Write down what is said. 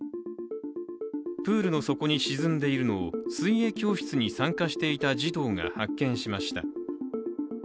プールの底に沈んでいるのを水泳教室に参加していた児童が発見しました。